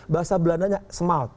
bahasa belandanya smalt